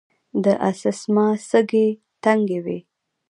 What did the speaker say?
د اسثما سږي تنګوي.